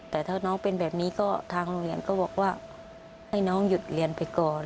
แต่ถ้าน้องเป็นแบบนี้ก็ทางโรงเรียนก็บอกว่าให้น้องหยุดเรียนไปก่อน